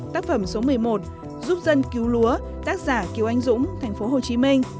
tác phẩm số một mươi một giúp dân cứu lúa tác giả kiều anh dũng tp hcm